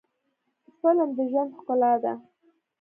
فلم د ژوند ښکلا ده